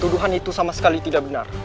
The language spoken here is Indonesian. tuduhan itu sama sekali tidak benar